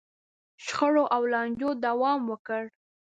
شخړو او لانجو دوام وکړ.